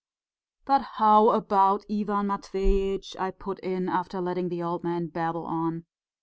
"But how about Ivan Matveitch?" I put in, after letting the old man babble on.